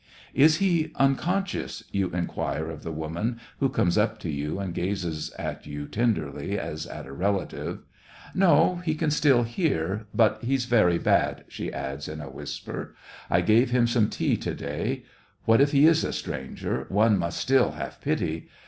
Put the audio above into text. *' Is he unconscious }" you inquire of the woman, who comes up to you and gazes at you tenderly as at a relative. 1 6 SEVASTOPOL IN DECEMBER. " No, he can still hear, but he's very bad," she adds, in a whisper. *' I gave him some tea to day, — what if he is a stranger, one must still have pity